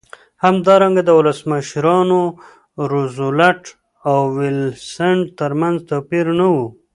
همدارنګه د ولسمشرانو روزولټ او ویلسن ترمنځ توپیر نه و.